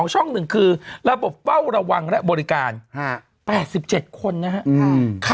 ช่อง๑คือระบบเฝ้าระวังและบริการ๘๗คนนะครับ